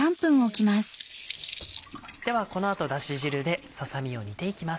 ではこの後だし汁でささ身を煮ていきます。